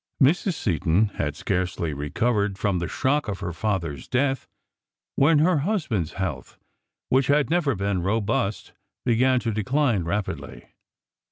Mrs. Seton had scarcely recovered from the shock of her father's death when her husband's health, which had never been robust, began to decline rapidly.